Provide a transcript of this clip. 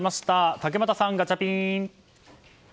竹俣さん、ガチャピン。